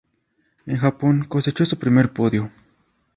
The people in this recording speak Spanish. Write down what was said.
En Japón cosechó su primer podio.